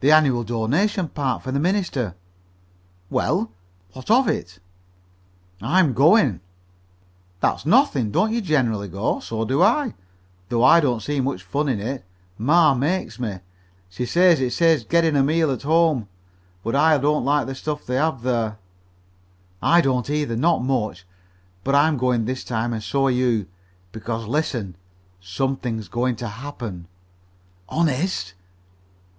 "The annual donation party for the minister." "Well, what of it?" "I'm going." "That's nothing. Don't you generally go? So do I, though I don't see much fun in it. Ma makes me. She says it saves gittin' a meal at home, but I don't like the stuff they have there." "I don't either not much but I'm going this time and so are you. Because, listen, something's going to happen." "Honest?"